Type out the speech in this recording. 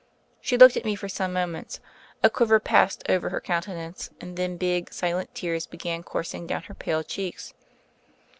She looked at me for some moments, a quiver passed over her countenance, and then big silent tears began coursing down her pale cheeks.